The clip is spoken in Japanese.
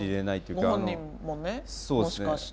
ご本人もねもしかして。